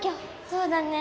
そうだね。